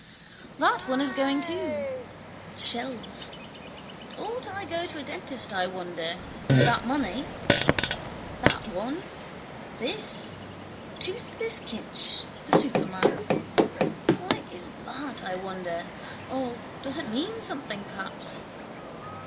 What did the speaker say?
That one is going too. Shells. Ought I go to a dentist, I wonder, with that money? That one. This. Toothless Kinch, the superman. Why is that, I wonder, or does it mean something perhaps?